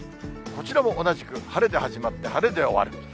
こちらも同じく晴れで始まって、晴れで終わる。